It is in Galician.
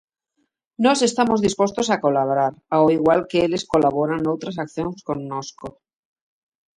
Nós estamos dispostos a colaborar, ao igual que eles colaboran noutras accións connosco.